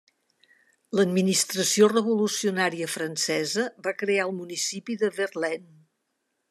L'administració revolucionària francesa va crear el municipi de Verlaine.